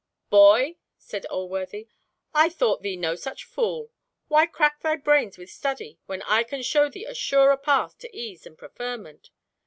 "Boy," said Alworthy, "I thought thee no such fool! Why crack thy brains with study when I can show thee a surer path to ease and preferment?